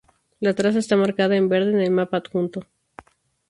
La traza está marcada en verde en el mapa adjunto.